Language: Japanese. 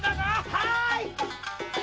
はい！